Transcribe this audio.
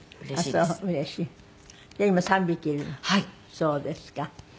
そうですか。